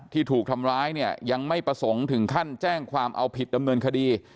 ถูกทำร้ายเนี่ยยังไม่ประสงค์ถึงขั้นแจ้งความเอาผิดดำเนินคดี